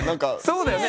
そうだよね。